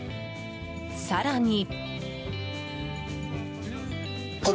更に。